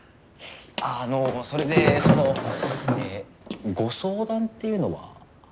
あっあのそれでそのご相談っていうのは？